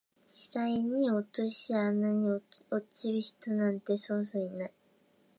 実際に落とし穴に落ちる人なんてそうそういない